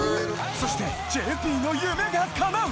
そしてＪＰの夢が叶う！